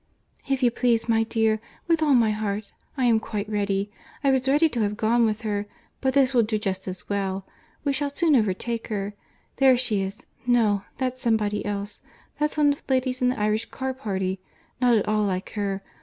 "If you please, my dear. With all my heart. I am quite ready. I was ready to have gone with her, but this will do just as well. We shall soon overtake her. There she is—no, that's somebody else. That's one of the ladies in the Irish car party, not at all like her.